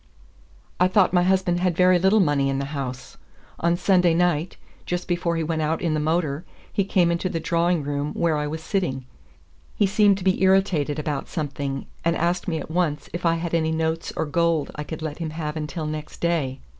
"I thought my husband had very little money in the house. On Sunday night, just before he went out in the motor, he came into the drawing room where I was sitting. He seemed to be irritated about something, and asked me at once if I had any notes or gold I could let him have until next day.